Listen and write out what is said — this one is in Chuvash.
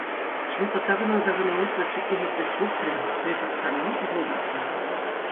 Света такӑна-такӑна утрӗ, чупнӑ ҫӗрте чупрӗ, хӑй пӗр чарӑнми пӑшӑлтатрӗ.